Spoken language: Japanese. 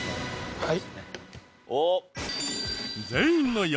はい。